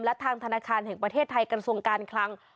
และทางธนาคารแห่งประเทศไทยกระทรวงการคลัง